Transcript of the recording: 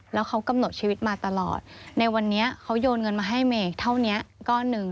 แล้วเขากำหนดชีวิตมาตลอดในวันนี้เขาโยนเงินมาให้เมย์เท่านี้ก้อนหนึ่ง